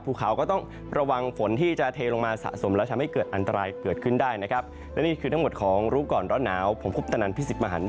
โปรดติดตามตอนต่อไป